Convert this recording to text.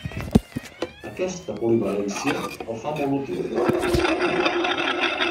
Aquesta polivalència el fa molt útil.